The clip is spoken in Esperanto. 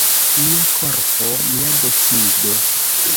"Mia korpo, mia decido."